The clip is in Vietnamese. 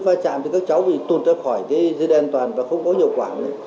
pha chạm thì các cháu bị tụt ra khỏi cái dây đen an toàn và không có hiệu quả nữa